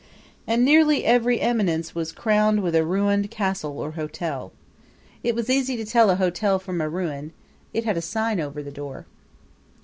And nearly every eminence was crowned with a ruined castle or a hotel. It was easy to tell a hotel from a ruin it had a sign over the door.